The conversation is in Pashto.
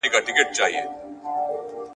د خپلو تبلیغاتو لپاره کاروي ,